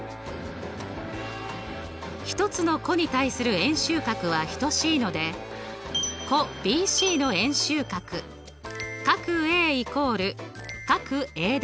一つの弧に対する円周角は等しいので弧ＢＣの円周角角Ａ＝角Ａ’。